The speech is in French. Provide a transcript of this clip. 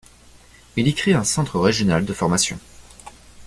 Il y crée un centre régional de formation.